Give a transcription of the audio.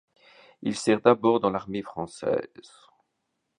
Il sert d'abord dans l'armée française.